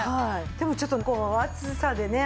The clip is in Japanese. でもちょっと暑さでね